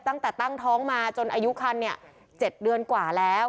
ตั้งแต่ตั้งท้องมาจนอายุคัน๗เดือนกว่าแล้ว